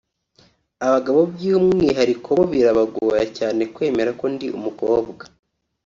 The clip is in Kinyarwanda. Abagabo by’umwihariko bo birabagora cyane kwemera ko ndi umukobwa